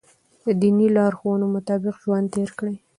د دیني لارښوونو مطابق ژوند تېر کړئ.